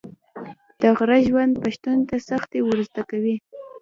د غره ژوند پښتون ته سختي ور زده کوي.